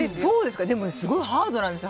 すごいハードなんですよ